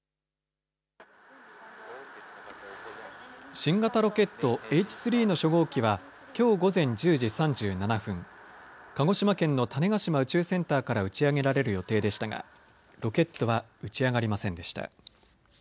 新型ロケット、Ｈ３の初号機はきょう午前１０時３７分、鹿児島県の種子島宇宙センターから打ち上げられる予定でしたがロケットは打ち上がりませんでした。